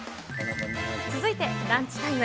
続いて、ランチタイム。